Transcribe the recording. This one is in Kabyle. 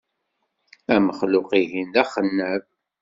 Amexluq-ihin d axennab.